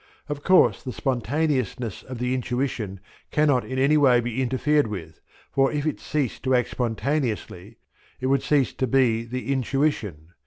Of course, the spontaneousness of the intuition cannot in any way be interfered with, for if it ceased to act spontaneously it would cease to be the intuition.